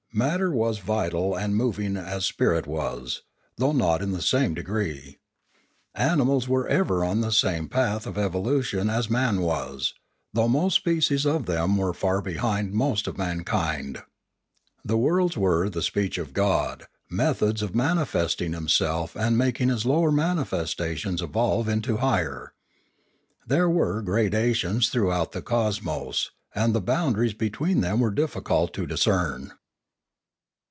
Matter was vital and moving, as spirit was, though not in the same degree. Animals were ever on the same path of evolution as man was, though most species of them were far behind most of mankind. The worlds were the speech of God, methods of manifesting Him self and of making His lower manifestations evolve into higher. There were gradations throughout the cosmos, and the boundaries between them were difficult to discern.